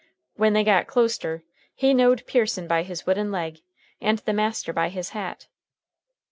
When they got closter he knowed Pearson by his wooden leg and the master by his hat.